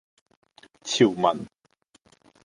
潮文